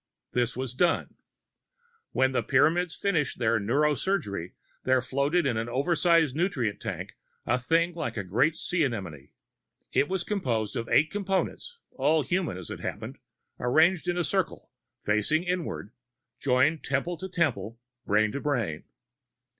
This was done. When the Pyramids finished their neuro surgery, there floated in an oversized nutrient tank a thing like a great sea anemone. It was composed of eight Components all human, as it happened arranged in a circle, facing inward, joined temple to temple, brain to brain.